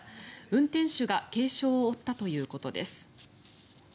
運転手が軽傷を負ったということです。